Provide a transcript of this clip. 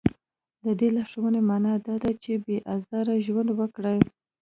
د دې لارښوونې معنا دا ده چې بې ازاره ژوند وکړي.